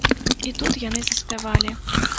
І тут яны заспявалі.